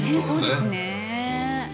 そうですね